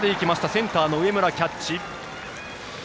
センターの上村、キャッチ。